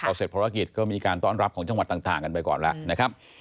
พอเสร็จภารกิจก็มีการต้อนรับของจังหวัดต่างกันไปก่อนแล้วนะครับ